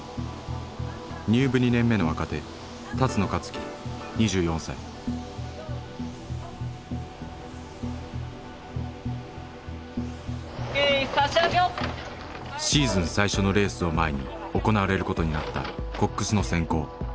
入部２年目の若手シーズン最初のレースを前に行われることになったコックスの選考。